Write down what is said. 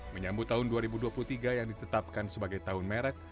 menyambut tahun dua ribu dua puluh tiga yang ditetapkan sebagai tahun merek